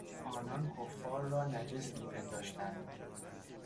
آنان کفار را نجس میپنداشتند.